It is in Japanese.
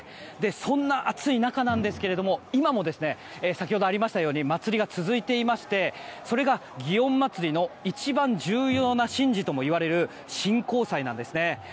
そんな暑い中ですけども今も、先ほどありましたように祭りが続いていましてそれが祇園祭の一番重要な神事ともいわれる神幸祭なんですね。